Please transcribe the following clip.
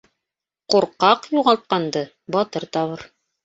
Ҡурҡаҡ юғалтҡанды батыр табыр.